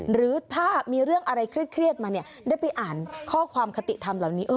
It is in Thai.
หรือถ้ามีเรื่องอะไรเครียดมาเนี่ยได้ไปอ่านข้อความคติธรรมเหล่านี้